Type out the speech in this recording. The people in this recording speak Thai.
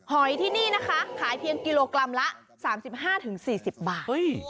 หอยที่นี่นะคะขายเพียงกิโลกรัมละ๓๕๔๐บาท